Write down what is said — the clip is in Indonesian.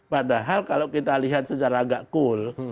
padahal kalau kita lihat secara agak cool